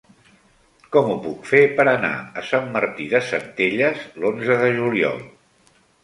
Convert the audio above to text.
Com ho puc fer per anar a Sant Martí de Centelles l'onze de juliol?